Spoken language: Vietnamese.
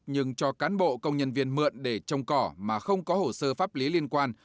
nhưng cho cán bộ công nhân viên mượn để trồng cỏ mà không có hồ sơ pháp lý liên quan